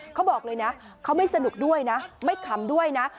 เขาบอกเลยนะเขาไม่สนุกด้วยนะไม่ขำด้วยนะ